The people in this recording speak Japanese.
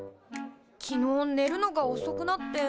昨日ねるのがおそくなって。